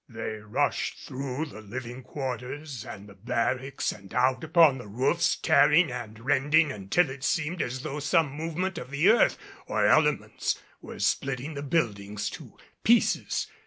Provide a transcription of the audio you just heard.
They rushed through the living quarters and the barracks and out upon the roofs tearing and rending until it seemed as though some movement of the earth or elements were splitting the buildings to pieces.